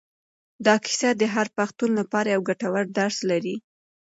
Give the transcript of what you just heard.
دا کیسه د هر پښتون لپاره یو ګټور درس لري.